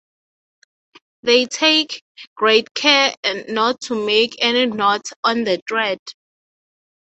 They take great care not to make any knots on the thread.